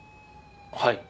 はい。